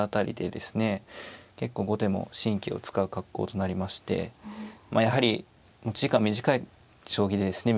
結構後手も神経を使う格好となりましてまあやはり持ち時間短い将棋でですね